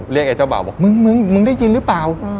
เรียกไอ้เจ้าเบ๋าบอกมึงมึงได้ยินรึเปร่า